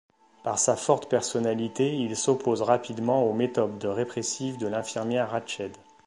Par sa forte personnalité, il s'oppose rapidement aux méthodes répressives de l'infirmière Ratched.